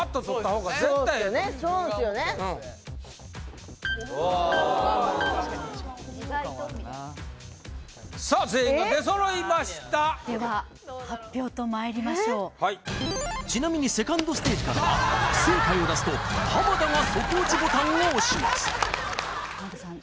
意外とさあ全員が出揃いましたでは発表とまいりましょうはいちなみにセカンドステージからは不正解を出すと浜田がソクオチボタンを押します浜田さん